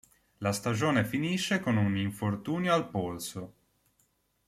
La stagione finisce con un infortunio al polso.